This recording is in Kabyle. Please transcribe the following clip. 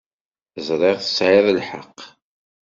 Ẓriɣ tesɛiḍ lḥeqq.